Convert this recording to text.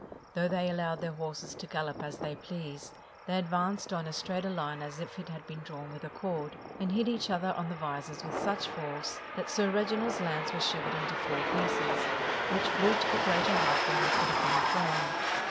Though they allowed their horses to gallop as they pleased, they advanced on as straight a line as if it had been drawn with a cord, and hit each other on the visors with such force that Sir Reginald's lance was shivered into four pieces, which flew to a greater height than they could have been thrown.